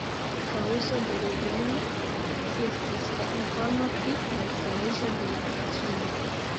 Kaŭzo de reveno estis la informo pri malsaniĝo de la patrino.